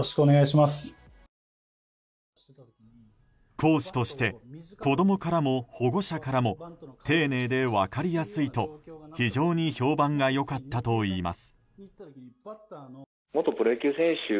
講師として子供からも保護者からも丁寧で分かりやすいと、非常に評判が良かったといいます。